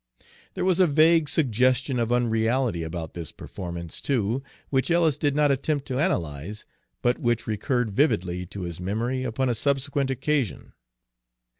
There was a vague suggestion of unreality about this performance, too, which Ellis did not attempt to analyze, but which recurred vividly to his memory upon a subsequent occasion.